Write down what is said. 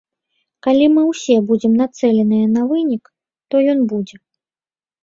Калі мы ўсе будзем нацэленыя на вынік, то ён будзе.